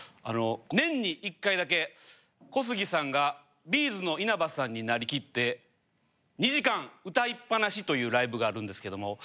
年に１回だけ小杉さんがＢ’ｚの稲葉さんになりきって２時間歌いっぱなしというライブがあるんですけども。